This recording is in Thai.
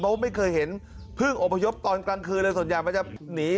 เพราะว่าไม่เคยเห็นเพิ่งอพยพตอนกลางคืนเลยส่วนใหญ่มันจะหนี